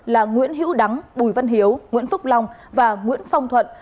là nguyễn hữu đắng bùi văn hiếu nguyễn phúc long và nguyễn phong thuận